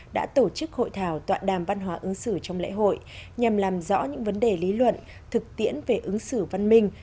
đã tổ chức hội thảo tọa đàm văn hóa ứng xử trong lễ hội nhằm làm rõ những vấn đề lý luận thực tiễn về ứng xử văn minh